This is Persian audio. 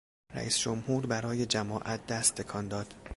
رئیس جمهور برای جماعت دست تکان داد.